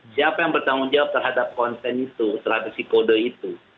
siapa yang bertanggung jawab terhadap konten itu seratus kode itu